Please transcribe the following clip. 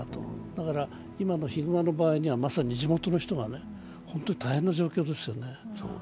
だから、今のヒグマの場合にはまさに地元の人が本当に大変な状況ですよね。